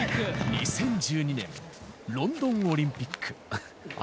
２０１２年、ロンドンオリンピック。